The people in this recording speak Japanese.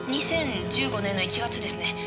２０１５年の１月ですね。